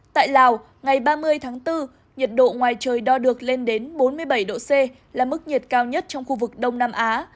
tại lào ngày ba mươi tháng bốn nhiệt độ ngoài trời đo được lên đến bốn mươi bảy độ c là mức nhiệt cao nhất trong khu vực đông nam á